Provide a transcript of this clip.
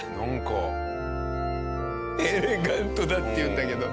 エレガントだっていうんだけど。